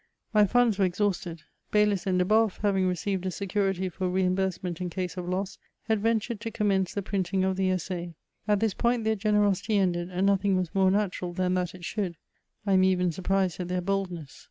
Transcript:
My funds were exhausted: Baylis and Deboffe, having received a security for reimbursement in case of loss, had ven tured to commence the printing of the Essai : at this point their generosity ended, and nothing was more natural than that it should ; I am even surprised at their boldness.